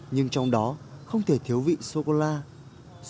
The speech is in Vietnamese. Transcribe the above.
nhưng trong đó không thể thiếu vị chocolate